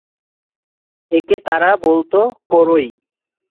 একে তারা বলত ‘করই’।